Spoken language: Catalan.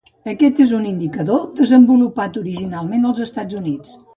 Aquest és un indicador desenvolupat originalment als Estats Units.